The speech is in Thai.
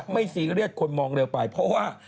ซีเรียสคนมองเร็วไปเพราะว่า